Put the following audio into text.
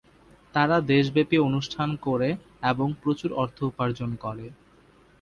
তারা দেশব্যাপী অনুষ্ঠান করে এবং প্রচুর অর্থ উপার্জন করে।